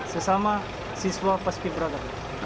siswa siswa paski beraka